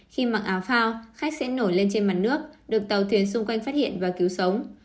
khi mặc áo phao khách sẽ nổi lên trên mặt nước được tàu thuyền xung quanh phát hiện và cứu sống